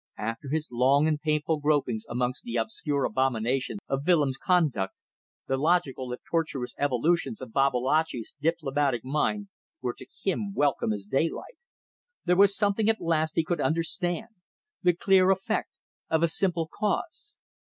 After his long and painful gropings amongst the obscure abominations of Willems' conduct, the logical if tortuous evolutions of Babalatchi's diplomatic mind were to him welcome as daylight. There was something at last he could understand the clear effect of a simple cause.